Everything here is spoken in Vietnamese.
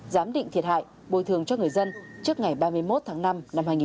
giám định thiệt hại bồi thường cho người dân trước ngày ba mươi một tháng năm năm hai nghìn hai mươi